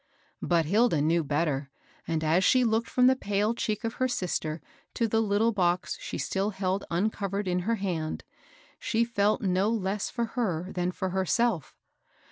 But Hilda knew better ; and, as she looked from the pale cheek of her sister to the litde box she still held uncoyered in her hand, she felt no less for her than for herself.